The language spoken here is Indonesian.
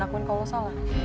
dan akuin kalau lo salah